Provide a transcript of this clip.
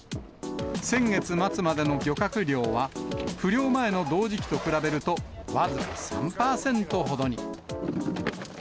先月末までの漁獲量は不漁前の同時期と比べると、僅か３％ほどに。